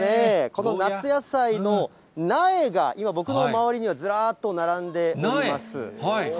この夏野菜の苗が今、僕の周りにはずらっと並んでおります。